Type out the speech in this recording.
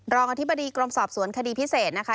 อธิบดีกรมสอบสวนคดีพิเศษนะคะ